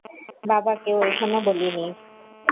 বাবা কেউ এখনো বলি নি।